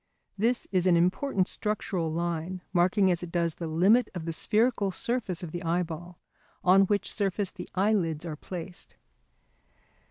This is an important structural line, marking as it does the limit of the spherical surface of the eyeball, on which surface the eyelids are placed.